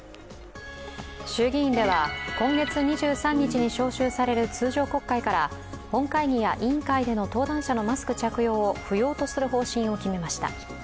衆議院では今月２３日に召集される通常国会から本会議や委員会での登壇者のマスク着用を不要とする方針を決めました。